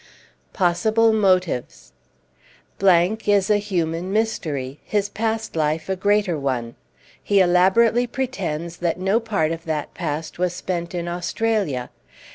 POSSIBLE MOTIVES is a human mystery, his past life a greater one. He elaborately pretends that no part of that past was spent in Australia.